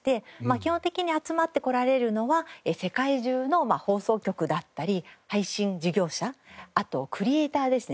基本的に集まってこられるのは世界中の放送局だったり配信事業者あとクリエイターですね